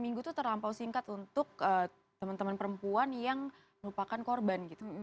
minggu itu terlampau singkat untuk teman teman perempuan yang merupakan korban gitu